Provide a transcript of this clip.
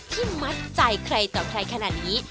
มัดใจใครต่อใครขนาดนี้